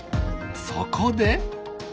そこで！